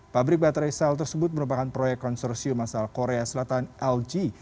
pabrik baterai sel tersebut merupakan proyek konsorsium asal korea selatan lg